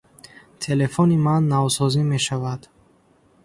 Телефони ман навсозӣ мешавад.